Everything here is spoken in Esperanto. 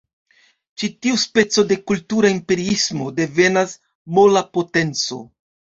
Ĉi tiu speco de kultura imperiismo devenas "mola potenco".